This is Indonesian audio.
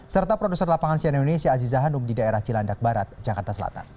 serta produser lapangan sian indonesia aziza hanum di daerah cilandak barat jakarta selatan